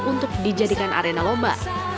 untuk dijadikan arena lomba